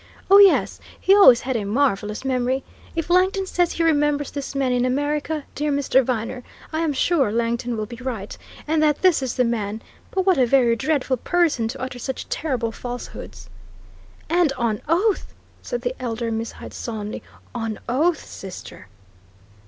Oh, yes, he always had a marvellous memory! If Langton says he remembers this man in America, dear Mr. Viner, I am sure Langton will be right, and that this is the man. But what a very dreadful person to utter such terrible falsehoods!" "And on oath!" said the elder Miss Hyde, solemnly. "On oath, sister!"